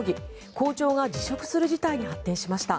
校長が辞職する事態に発展しました。